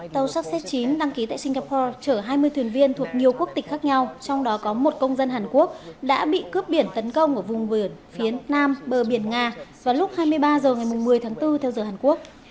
tàu succe chín đăng ký tại singapore chở hai mươi thuyền viên thuộc nhiều quốc tịch khác nhau trong đó có một công dân hàn quốc đã bị cướp biển tấn công ở vùng biển phía nam bờ biển nga vào lúc hai mươi ba h ngày một mươi tháng bốn theo giờ hàn quốc